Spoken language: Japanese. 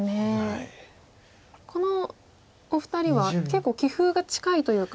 このお二人は結構棋風が近いというか。